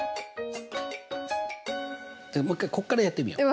もう一回こっからやってみよう。